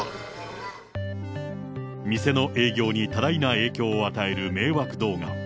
店の営業に多大な影響を与える迷惑動画。